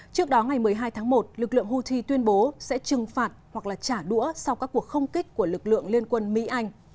trước đó ngày một mươi hai tháng một lực lượng houthi tuyên bố sẽ trừng phạt hoặc trả đũa sau các cuộc không kích của lực lượng liên quân mỹ anh